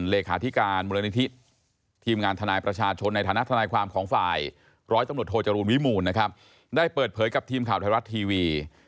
เลขาธิการมูลนิธิทีมงานทนายประชาชนในฐานะทนายความของฝ่ายร้อยตำรวจโทจรูลวิมูลนะครับได้เปิดเผยกับทีมข่าวไทยรัฐทีวี